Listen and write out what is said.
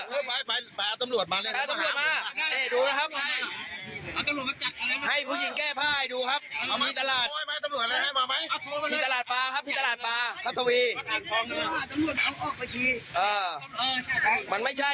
เอาออกเมื่อกี้มันไม่ใช่นะครับแบบนี้มันไม่ใช่